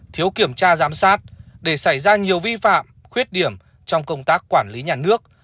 thiếu kiểm tra giám sát để xảy ra nhiều vi phạm khuyết điểm trong công tác quản lý nhà nước